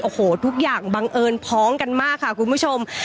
โอ้โหทุกอย่างบังเอิญพ้องกันมากค่ะคุณผู้ชม